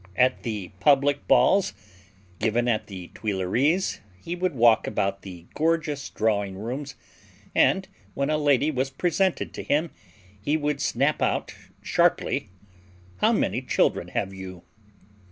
At the public balls given at the Tuileries he would walk about the gorgeous drawing rooms, and when a lady was presented to him he would snap out, sharply: "How many children have you?"